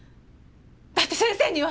だって先生には！